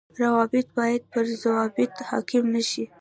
روابط باید پر ضوابطو حاڪم نشي